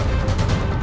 aku akan menang